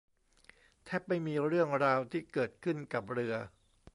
แทบไม่มีเรื่องราวที่เกิดขึ้นกับเรือ